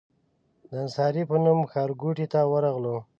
د انصاري په نوم ښارګوټي ته ورغلو.